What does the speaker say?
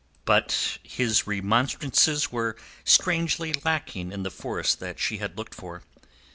But his remonstrances were strangely lacking in the force that she had looked for.